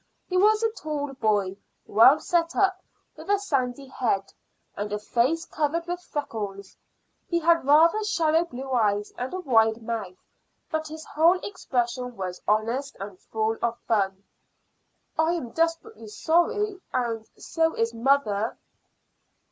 He was a tall boy, well set up, with a sandy head, and a face covered with freckles. He had rather shallow blue eyes and a wide mouth, but his whole expression was honest and full of fun. "I am desperately sorry, and so is mother."